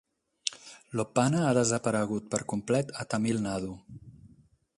L'Oppana ha desaparegut per complet a Tamil Nadu.